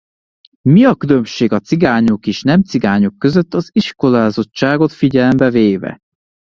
Mi a különbség a cigányok és nem cigányok között az iskolázottságot figyelembe véve?